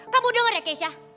kamu denger ya keisha